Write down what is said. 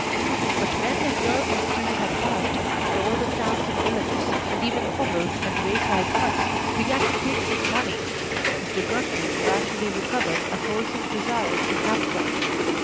But when a year or two had passed, and all the towns and villages, and even hovels and way side huts, began to clink with money, Mr. Gundry gradually recovered a wholesome desire to have some.